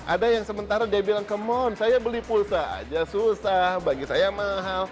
ada yang sementara dia bilang ke mon saya beli pulsa aja susah bagi saya mahal